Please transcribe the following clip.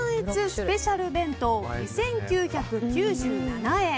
スペシャル弁当２９９７円。